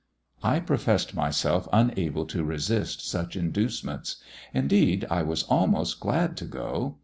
I professed myself unable to resist such inducements. Indeed, I was almost glad to go.